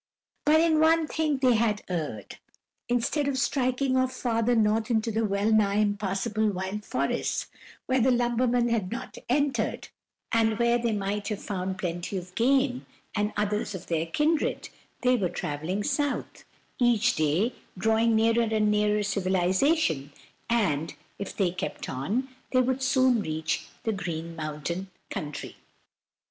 But in one thing they had erred; instead of striking off farther north into the well nigh impassable wild forests, where the lumbermen had not entered, and where they might have found plenty of game, and others of their kindred, they were traveling south, each day drawing nearer and nearer civilization, and, if they kept on, they would soon reach the Green Mountain country.